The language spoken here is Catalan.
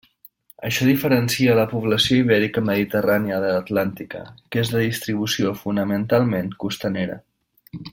Això diferencia la població ibèrica mediterrània de l'atlàntica, que és de distribució fonamentalment costanera.